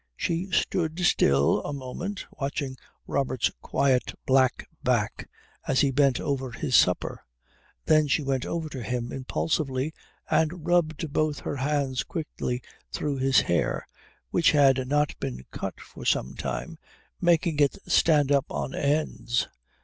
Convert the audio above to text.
She stood still a moment watching Robert's quiet black back as he bent over his supper. Then she went over to him impulsively and rubbed both her hands quickly through his hair, which had not been cut for some time, making it stand up on ends.